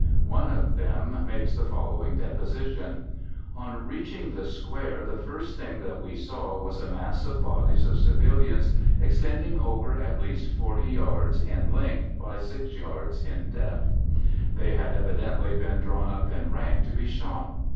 One of them makes the following deposition: "On reaching the Square the first thing that we saw was a mass of bodies of civilians extending over at least 40 yards in length by 6 yards in depth. They had evidently been drawn up in rank to be shot.